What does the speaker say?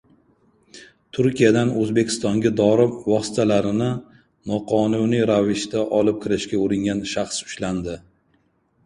Turkiyadan O‘zbekistonga dori vositalarini noqonuniy ravishda olib kirishga uringan shaxs ushlandi